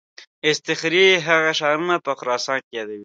اصطخري هغه ښارونه په خراسان کې یادوي.